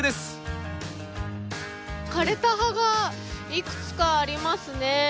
枯れた葉がいくつかありますね。